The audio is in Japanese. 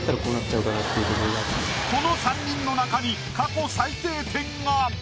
この３人の中に過去最低点が！